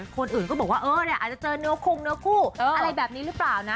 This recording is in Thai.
คนอื่นก็บอกว่าเออเนี่ยอาจจะเจอเนื้อคงเนื้อคู่อะไรแบบนี้หรือเปล่านะ